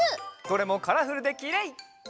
どれもカラフルできれい！